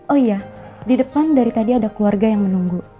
oh iya di depan dari tadi ada keluarga yang menunggu